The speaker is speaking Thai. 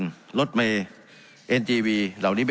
การปรับปรุงทางพื้นฐานสนามบิน